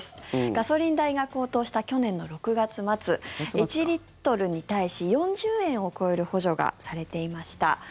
ガソリン代が高騰した去年の６月末１リットルに対し４０円を超える補助がされていました。